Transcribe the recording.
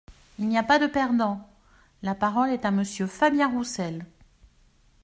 Il n’y a pas de perdant ! La parole est à Monsieur Fabien Roussel.